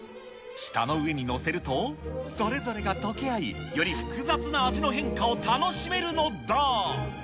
舌の上に載せると、それぞれが溶け合い、より複雑な味の変化を楽しめるのだ。